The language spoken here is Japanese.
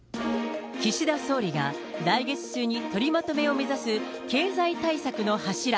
岸田総理が、来月中に取りまとめを目指す経済対策の柱。